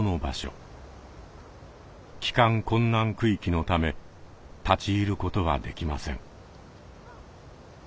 帰還困難区域のため立ち入ることはできません。